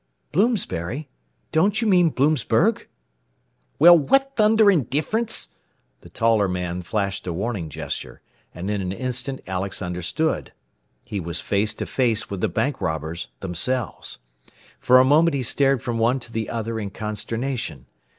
"Bloomsbury! Don't you mean Bloomsburg?" "Well, what thundering difference " The taller man flashed a warning gesture, and in an instant Alex understood. He was face to face with the bank robbers themselves! For a moment he stared from one to the other in consternation.